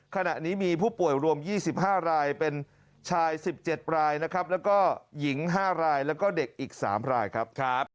ขณะนี้มีผู้ป่วยรวม๒๕รายเป็นชาย๑๗รายนะครับแล้วก็หญิง๕รายแล้วก็เด็กอีก๓รายครับ